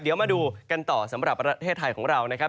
เดี๋ยวมาดูกันต่อสำหรับประเทศไทยของเรานะครับ